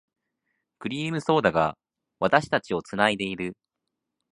クリームソーダが、私たちを繋いでいる。